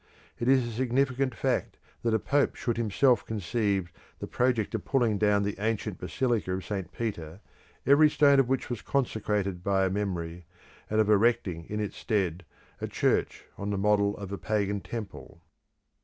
It is a significant fact that a Pope should himself conceive the project of pulling down the ancient Basilica of St. Peter, every stone of which was consecrated by a memory, and of erecting in its stead a church on the model of a pagan temple.